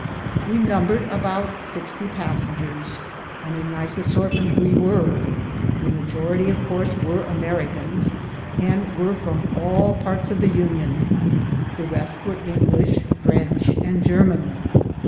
We numbered about sixty passengers, and a nice assortment we were. The majority, of course, were Americans, and were from all parts of the Union; the rest were English, French, and German.